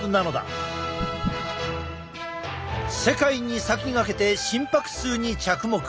世界に先駆けて心拍数に着目。